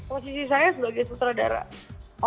posisi saya sebagai sutradara